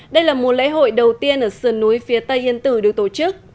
đây là mùa lễ hội đầu tiên ở sườn núi phía tây yên tử được tổ chức